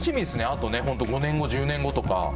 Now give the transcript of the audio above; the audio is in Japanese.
あと５年後、１０年後とか。